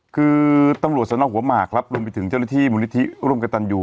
คือตำรวจสนหัวหมากครับรวมไปถึงเจ้าหน้าที่มูลนิธิร่วมกับตันยู